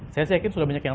saya yakin sudah banyak yang